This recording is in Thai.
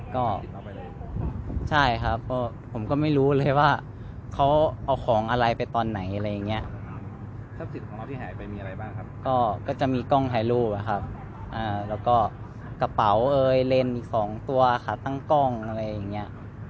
ก็ใช่ครับผมก็ไม่รู้เลยว่าเขาเอาของอะไรไปตอนไหนอะไรอย่างเงี่ย